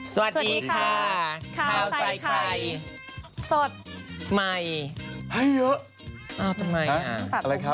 สวัสดีค่ะข้าวใส่ไข่สดใหม่ให้เยอะอ้าวทำไมอ่ะอะไรคะ